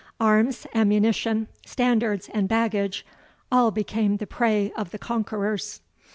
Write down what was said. Arms, ammunition, standards, and baggage, all became the prey of the conquerors.